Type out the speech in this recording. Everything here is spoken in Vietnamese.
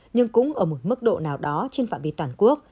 nhưng cũng ở một mức độ nào đó trên phạm vi toàn quốc